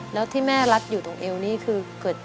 แล้วที่แม่รัดอยู่ตรงเอวนี่คือเกิด